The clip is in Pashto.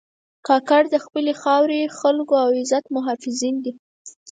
کاکړ د خپلې خاورې، خلکو او عزت محافظین دي.